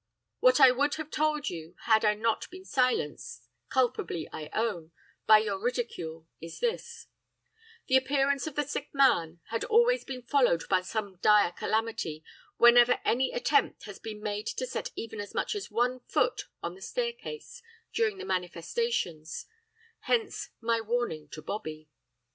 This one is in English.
"'What I would have told you had I not been silenced (culpably I own) by your ridicule, is this: the appearance of the sick man had always been followed by some dire calamity, whenever any attempt has been made to set even as much as one foot on the staircase during the manifestations hence my warning to Bobbie.